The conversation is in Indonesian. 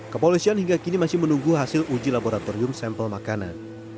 kepolisian hingga kini masih menunggu hasil uji laboratorium sampel makanan